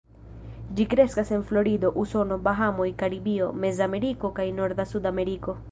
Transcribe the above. Ĝi kreskas en Florido, Usono, Bahamoj, Karibio, Mez-Ameriko kaj norda Sud-Ameriko.